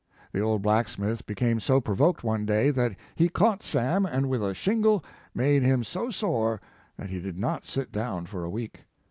The old blacksmith became so provoked one day, that he caught Sam and with a shingle made him so sore, that he did not sit down for a week.